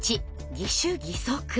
義手義足。